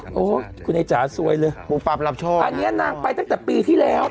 โอ้โฮคุณไอ้จ๋าสวยเลยอันนี้นางไปตั้งแต่ปีที่แล้ว